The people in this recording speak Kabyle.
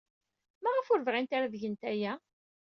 Maɣef ur bɣint ara ad gent aya?